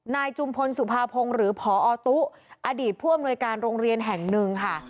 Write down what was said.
จุมพลสุภาพงหรือพอตุ๊อดีตผู้อำนวยการโรงเรียนแห่งหนึ่งค่ะ